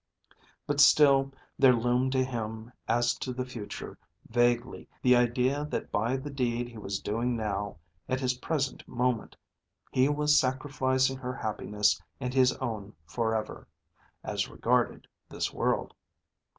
But still there loomed to him as to the future, vaguely, the idea that by the deed he was doing now, at this present moment, he was sacrificing her happiness and his own for ever, as regarded this world.